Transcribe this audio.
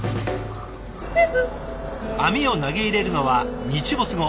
網を投げ入れるのは日没後。